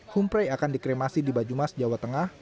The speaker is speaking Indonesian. humprey akan dikremasi di banyumas jawa tengah